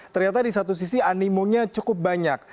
ternyata di satu sisi animonya cukup banyak